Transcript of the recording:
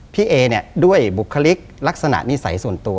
เอเนี่ยด้วยบุคลิกลักษณะนิสัยส่วนตัว